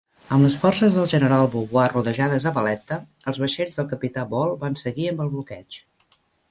Amb les forces del general Vaubois rodejades a Valletta, els vaixells del capità Ball van seguir amb el bloqueig.